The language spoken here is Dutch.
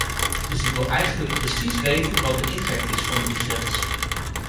Dus ik wil eigenlijk precies weten wat de impact is van die grens.